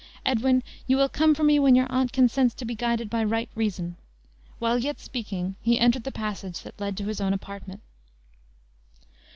Edwin, you will come for me when your aunt consents to be guided by right reason." While yet speaking he entered the passage that led to his own apartment.